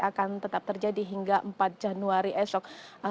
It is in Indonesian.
akan tetap terjadi hingga empat januari esok